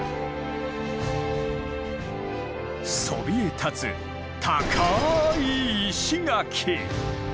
そびえ立つ高い石垣。